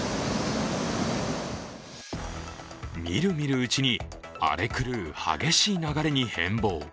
みるみるうちに荒れ狂う激しい流れに変貌。